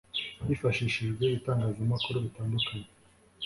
hifashishijwe ibitangazamakuru bitandukanye